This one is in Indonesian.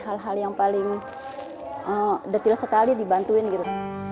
hal hal yang paling detail sekali dibantuin gitu